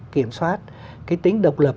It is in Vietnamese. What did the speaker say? kiểm soát cái tính độc lập